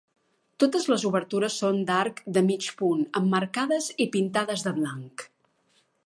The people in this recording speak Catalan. Totes les obertures són d’arc de mig punt, emmarcades i pintades de blanc.